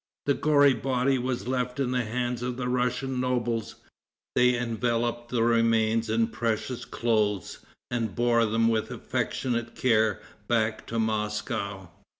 The gory body was left in the hands of the Russian nobles. They enveloped the remains in precious clothes, and bore them with affectionate care back to Moscow.